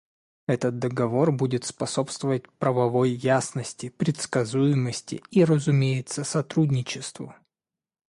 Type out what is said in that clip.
Этот Договор будет способствовать правовой ясности, предсказуемости и, разумеется, сотрудничеству.